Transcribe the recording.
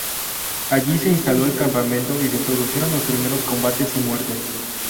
Allí se instaló el campamento y se produjeron los primeros combates y muertes.